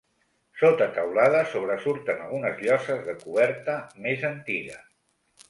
Sota teulada sobresurten algunes lloses de coberta més antiga.